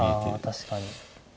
あ確かに。